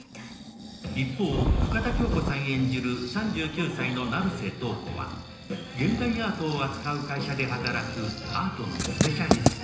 一方、深田恭子さん演じる３９歳の成瀬瞳子は現代アートを扱う会社で働くアートのスペシャリスト。